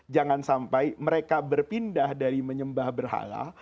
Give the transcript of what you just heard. jangan sampai mereka berpindah dari menyembah berhala